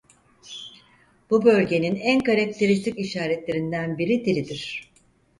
Bu bölgenin en karakteristik işaretlerinden biri dilidir.